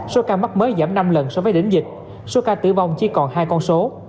số ca mắc mới giảm năm lần so với đỉnh dịch số ca tử vong chỉ còn hai con số